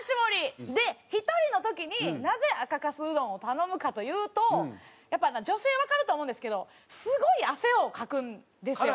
で１人の時になぜ赤かすうどんを頼むかというとやっぱ女性わかると思うんですけどすごい汗をかくんですよ。